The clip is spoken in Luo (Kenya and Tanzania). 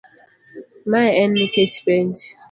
Mae en nikech penj